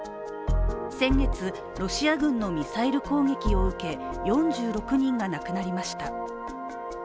先月、ロシア軍のミサイル攻撃を受け４６人が亡くなりました。